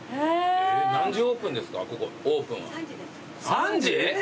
３時！？